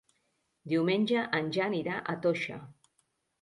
Diumenge en Jan irà a Toixa.